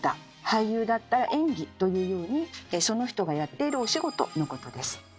俳優だったら「演技」というようにその人がやっているお仕事のことです。